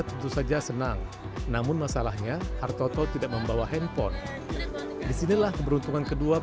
tentu saja senang namun masalahnya hartoto tidak membawa handphone disinilah keberuntungan kedua